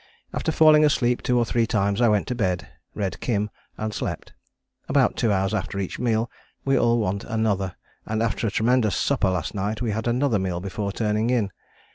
After falling asleep two or three times I went to bed, read Kim, and slept. About two hours after each meal we all want another, and after a tremendous supper last night we had another meal before turning in.